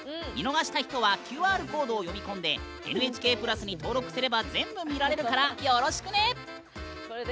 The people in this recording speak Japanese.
見逃した人はＱＲコードを読み込んでＮＨＫプラスに登録すれば全部見られるからよろしくね！